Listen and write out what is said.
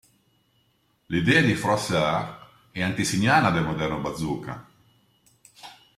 L'idea di Froissart è antesignana del moderno bazooka.